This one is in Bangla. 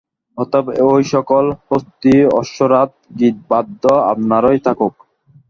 অতএব এই-সকল হস্তী অশ্ব রথ গীতবাদ্য আপনারই থাকুক।